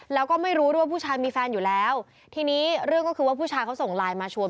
แล้วก็ไม่รู้ด้วยว่าผู้ชายมีแฟนอยู่แล้วทีนี้เรื่องก็คือว่าผู้ชายเขาส่งไลน์มาชวน